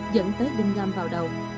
dẫn tới đinh ngâm vào đầu